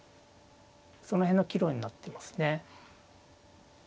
その辺の岐路になっていますね。